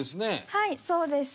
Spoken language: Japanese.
はいそうです。